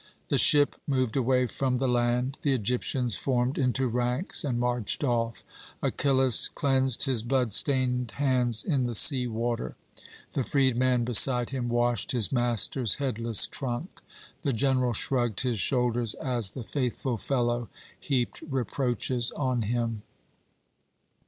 The ship moved away from the land, the Egyptians formed into ranks and marched off. Achillas cleansed his blood stained hands in the sea water. The freedman beside him washed his master's headless trunk. The general shrugged his shoulders as the faithful fellow heaped reproaches on him."